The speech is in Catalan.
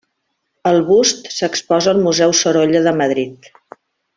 El bust s’exposa al Museu Sorolla de Madrid.